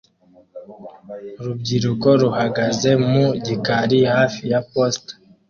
Urubyiruko ruhagaze mu gikari hafi ya posita